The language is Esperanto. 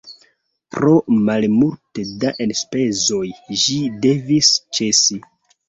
Pro malmulte da enspezoj ĝi devis ĉesi.